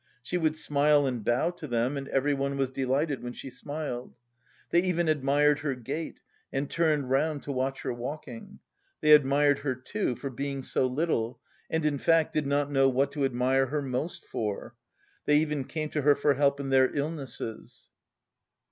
She would smile and bow to them and everyone was delighted when she smiled. They even admired her gait and turned round to watch her walking; they admired her too for being so little, and, in fact, did not know what to admire her most for. They even came to her for help in their illnesses.